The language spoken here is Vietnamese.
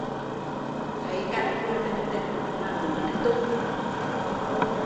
Cảnh chùa bình tịnh, muốn đi tu